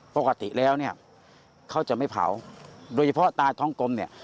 ปกติแล้วเนี่ยเขาจะไม่เผาโดยเฉพาะตาท้องกลมเนี่ย